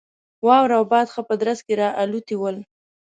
واوره او باد ښه په درز کې را الوتي ول.